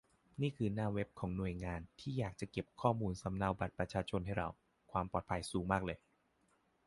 นี่คือหน้าเวบของหน่วยงานที่อยากจะเก็บข้อมูลสำเนาบัตรประชาชนให้เรา ความปลอดภัยสูงมากเลย